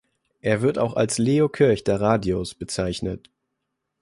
Er wird auch als "Leo Kirch der Radios" bezeichnet.